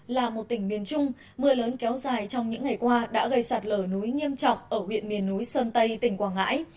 là một tỉnh miền trung mưa lớn kéo dài trong những ngày qua đã gây sạt lở núi nghiêm trọng ở huyện miền núi sơn tây tỉnh quảng ngãi